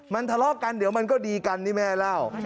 มันทะเลาะกันเดี๋ยวมันก็ดีกันนี่แม่เล่า